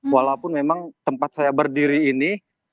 walaupun memang tempat saya berdiri ini